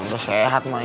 udah sehat mak